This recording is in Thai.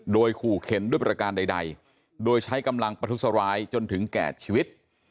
โดยขู่เข็นด้วยประการใดโดยใช้กำลังประทุษร้ายจนถึงแก่ชีวิต